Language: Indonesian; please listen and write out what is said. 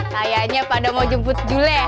kayaknya pada mau jemput jule